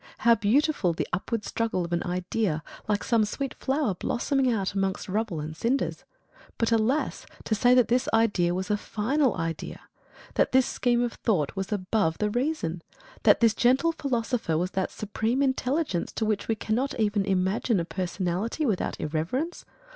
How beautiful the upward struggle of an idea, like some sweet flower blossoming out amongst rubble and cinders! But, alas! to say that this idea was a final idea! That this scheme of thought was above the reason! That this gentle philosopher was that supreme intelligence to which we cannot even imagine a personality without irreverence!